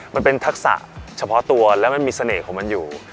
มันเป็นทักษะเฉพาะตัวแล้วมันมีเสน่ห์ของมันอยู่